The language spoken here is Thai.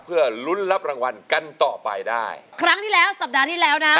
เพื่อลุ้นรับรางวัลกันต่อไปได้ครั้งที่แล้วสัปดาห์ที่แล้วนะ